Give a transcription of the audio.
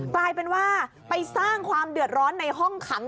กลายเป็นว่าไปสร้างความเดือดร้อนในห้องขัง